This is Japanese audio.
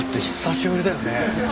久しぶりだよね。